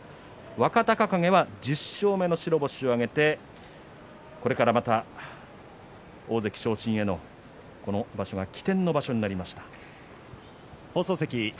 若隆景は１０勝目の白星を挙げてこれからまた大関昇進への起点の場所になりました。